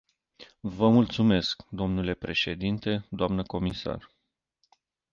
Vă mulțumesc, dle președinte, dnă comisar.